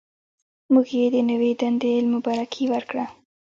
موږ یې د نوې دندې مبارکي ورکړه.